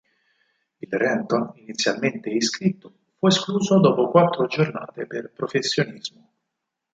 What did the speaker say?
Il Renton, inizialmente iscritto, fu escluso dopo quattro giornate per professionismo.